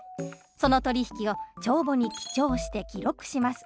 その取り引きを帳簿に記帳して記録します。